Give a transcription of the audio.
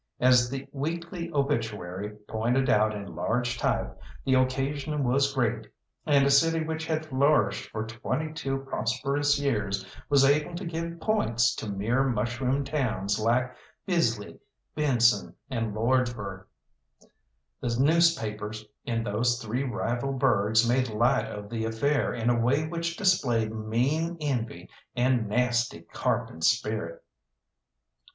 As the Weekly Obituary pointed out in large type, the occasion was great, and a city which had flourished for twenty two prosperous years was able to give points to mere mushroom towns like Bisley, Benson, and Lordsburgh. The newspapers in those three rival burghs made light of the affair in a way which displayed mean envy and a nasty, carping spirit.